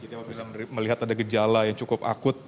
jadi apabila melihat ada gejala yang cukup akut